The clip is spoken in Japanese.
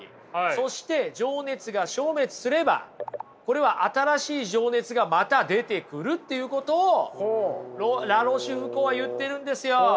そして情熱が消滅すればこれは新しい情熱がまた出てくるっていうことをラ・ロシュフコーは言ってるんですよ。